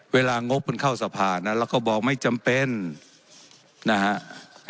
งบมันเข้าสภานะเราก็บอกไม่จำเป็นนะฮะ